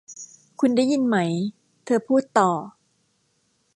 'คุณได้ยินไหม' เธอพูดต่อ